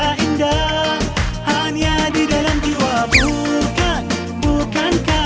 aduh ya nggak ada butuh itu